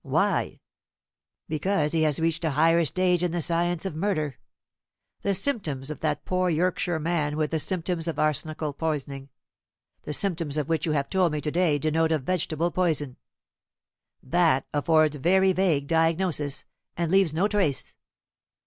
"Why?" "Because he has reached a higher stage in the science of murder. The symptoms of that poor Yorkshireman were the symptoms of arsenical poisoning; the symptoms of which you have told me to day denote a vegetable poison. That affords very vague diagnosis, and leaves no trace.